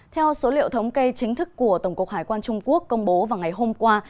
theo số liệu thống kê chính thức của tổng cục hải quan trung quốc công bố vào ngày hôm qua